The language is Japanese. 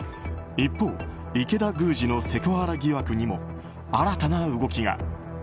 一方、池田宮司のセクハラ疑惑にも新たな動きが。